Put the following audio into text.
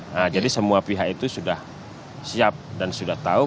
nah jadi semua pihak itu sudah siap dan sudah tahu